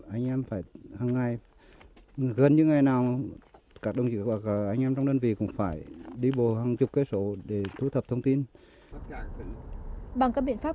anh em phải hằng ngày gần như ngày nào các đồng chí hoặc anh em trong đơn vị cũng phải đi bộ hàng chục kế sổ để thu thập thông tin